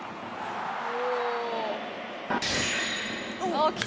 あっ、来た。